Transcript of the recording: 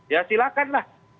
ya silahkan lah